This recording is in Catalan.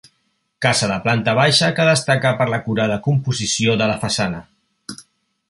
Casa de planta baixa que destaca per l'acurada composició de la façana.